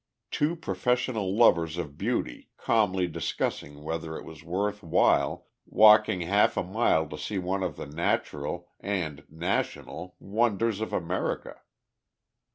Two professional lovers of beauty calmly discussing whether it was worth while walking half a mile to see one of the natural, and national, wonders of America!